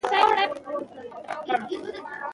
افغانستان د آب وهوا په اړه مشهور تاریخي روایتونه لري.